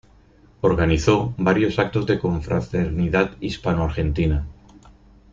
Organizó varios actos de confraternidad hispanoargentina.